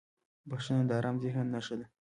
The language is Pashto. • بخښنه د آرام ذهن نښه ده.